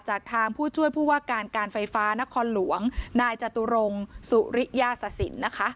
จากทางผู้ช่วยผู้ว่าการการไฟฟ้านครหลวงนายจตุรงสุริยาศสินนะคะ